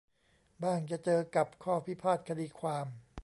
บ้างจะเจอกับข้อพิพาทคดีความ